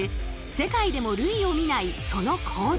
世界でも類を見ないその構造。